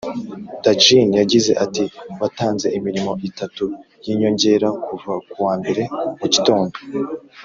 djinn yagize ati: 'watanze imirimo itatu y'inyongera kuva ku wa mbere mu gitondo,